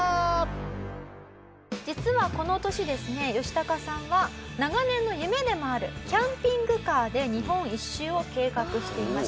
実はこの年ですねヨシタカさんは長年の夢でもあるキャンピングカーで日本一周を計画していました。